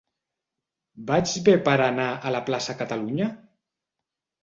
Vaig bé per anar a Plaça Catalunya?